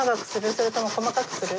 それとも細かくする？